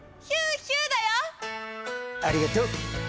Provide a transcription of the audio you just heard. ありがとう。